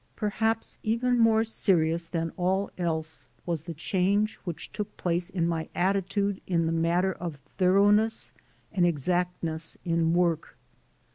Perhaps even more serious than all else was the change which took place in my attitude in the mat ter of thoroughness and exactness in work.